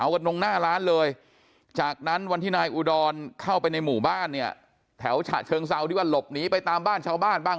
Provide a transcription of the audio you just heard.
กันตรงหน้าร้านเลยจากนั้นวันที่นายอุดรเข้าไปในหมู่บ้านเนี่ยแถวฉะเชิงเซาที่ว่าหลบหนีไปตามบ้านชาวบ้านบ้าง